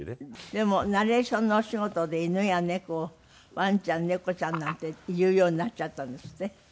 でもナレーションのお仕事で犬や猫を「ワンちゃん」「猫ちゃん」なんて言うようになっちゃったんですって？